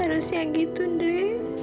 harusnya gitu dewi